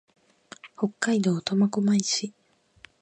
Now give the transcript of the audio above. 北海道苫小牧市